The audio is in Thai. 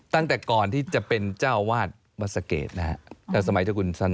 ตั้งแต่ก่อนที่จะเป็นเจ้าวาดวัสเกษนะครับตั้งแต่สมัยเจ้าคุณสน่อ